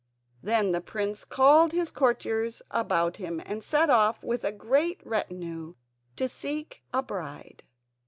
Then the prince called his courtiers about him and set off with a great retinue to seek a bride.